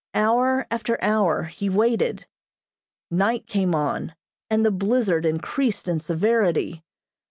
Hour after hour he waited. Night came on, and the blizzard increased in severity.